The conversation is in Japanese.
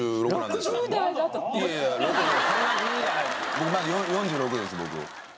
僕まだ４６です。